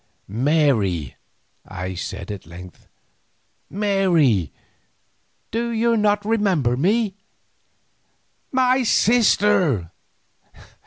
"Mary," I said at length, "Mary, do you not remember me, my sister?"